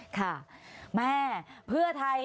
ค่ะแม่เพื่อไทย